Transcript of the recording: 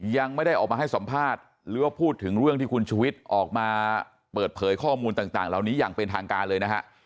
ยังไม่ได้ออกมาให้สัมภาษณ์หรือว่าพูดถึงเรื่องที่คุณชุวิตออกมาเปิดเผยข้อมูลต่างเหล่านี้อย่างเป็นทางการเลยนะฮะ